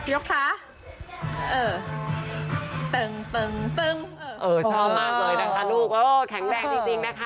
ยกขาเออตึงตึงตึงเออเออชอบมากเลยนะคะลูกโอ้โหแข็งแรงจริงจริงนะคะ